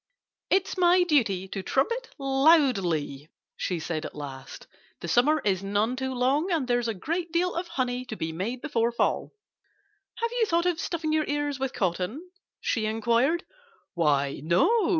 "It's my duty to trumpet loudly," she said at last. "The summer is none too long. And there's a great deal of honey to be made before fall.... Have you thought of stuffing your ears with cotton?" she inquired. "Why, no!"